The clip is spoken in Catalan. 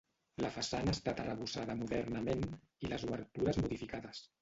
La façana ha estat arrebossada modernament i les obertures modificades.